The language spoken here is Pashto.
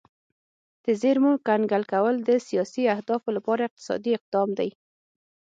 د زیرمو کنګل کول د سیاسي اهدافو لپاره اقتصادي اقدام دی